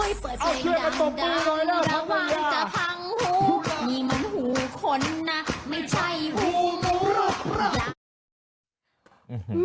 นี่มันหูคนนะไม่ใช่หู